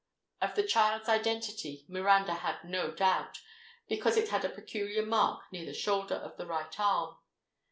Of the child's identity Miranda had no doubt, because it had a peculiar mark near the shoulder of the right arm.